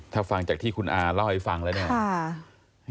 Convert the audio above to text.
ถ้าฟังจากที่คุณอาเล่าให้ฟังแล้วเนี่ย